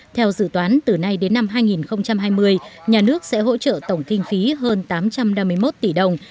theo dự toán từ nay đến năm hai nghìn hai mươi nhà nước sẽ hỗ trợ tổng kinh phí hơn tám trăm năm mươi một tỷ đồng